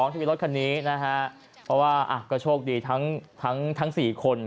ที่มีรถคันนี้นะฮะเพราะว่าก็โชคดีทั้ง๔คน